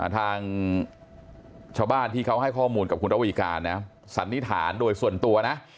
ทางชาวบ้านที่เขาให้ข้อมูลกับคุณระวีการนะสันนิษฐานโดยส่วนตัวนะ